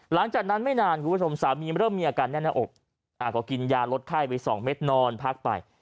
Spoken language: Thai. หลังจากนั้นไม่นานคุณผู้ชมสามีเริ่มมีอาการแน่นหน้าอกก็กินยาลดไข้ไปสองเม็ดนอนพักไป